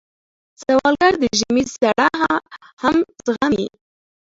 سوالګر د ژمي سړه هم زغمي